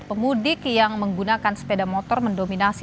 pemudik yang menggunakan sepeda motor mendominasi